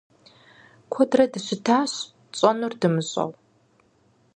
Куэдрэ дыщытащ, тщӀэнур дымыщӀэу.